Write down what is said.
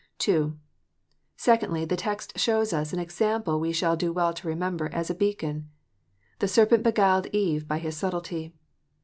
II. Secondly, the text shows us an example ice shall do well to remember, as a beacon :" The serpent beguiled Eve by his subtilty."